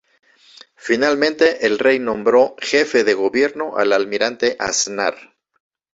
Finalmente, el rey nombró jefe de gobierno al almirante Aznar.